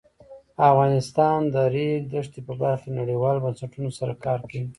افغانستان د د ریګ دښتې په برخه کې نړیوالو بنسټونو سره کار کوي.